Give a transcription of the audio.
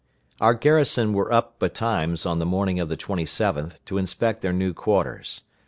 Our garrison were up betimes on the morning of the 27th, to inspect their new quarters.